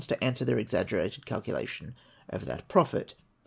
to answer their exaggerated calculation of that profit